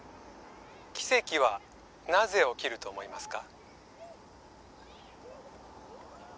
「奇跡はなぜ起きると思いますか？」